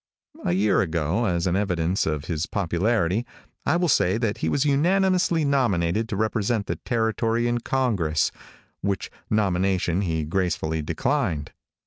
A year ago, as an evidence of his popularity, I will say that he was unanimously nominated to represent the Territory in Congress, which nomination he gracefully declined.